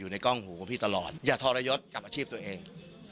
ในกล้องหูของพี่ตลอดอย่าทรยศกับอาชีพตัวเอง